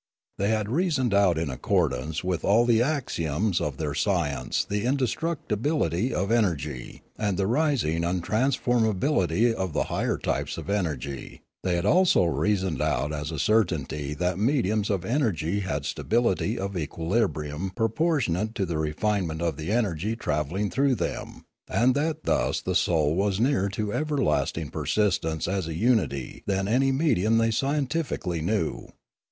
They had rea soned out in accordance with all the axioms of their science the indestructibility of energy, and the rising untransformability of the higher types of energy; they had also reasoned out as certainly that mediums of en ergy had stability of equilibrium proportionate to the refinement of the energy travelling through them, and that thus the soul was nearer to everlasting persistence as a unity than any medium they scientifically knew.